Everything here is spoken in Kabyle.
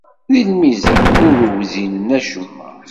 Di lmizan, ur wzinen acemma.